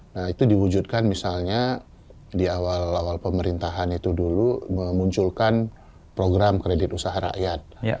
nah itu diwujudkan misalnya di awal awal pemerintahan itu dulu memunculkan program kredit usaha rakyat